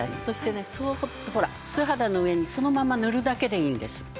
そしてねそっとほら素肌の上にそのまま塗るだけでいいんです。